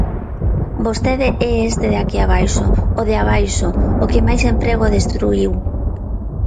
Vostede é este de aquí abaixo, o de abaixo, o que máis emprego destruíu.